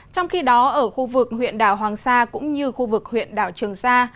trong khi đó ở khu vực huyện đảo hoàng sa cũng như khu vực huyện đảo trường sa